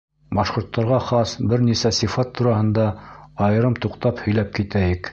Башҡорттарға хас бер нисә сифат тураһында айырым туҡтап һөйләп китәйек.